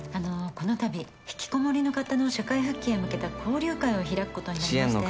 この度引きこもりの方の社会復帰へ向けた交流会を開くことになりまして。